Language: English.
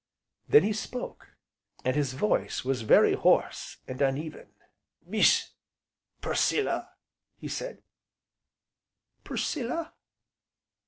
Then he spoke, and his voice was very hoarse, and uneven: "Miss Priscilla?" he said, "Priscilla?